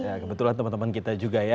ya kebetulan teman teman kita juga ya